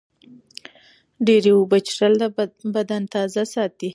ډېرې اوبه څښل بدن تازه ساتي.